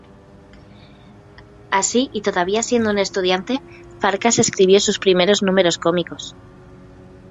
Así, y todavía siendo un estudiante, Farkas escribió sus primeros números cómicos.